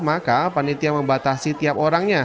maka panitia membatasi tiap orangnya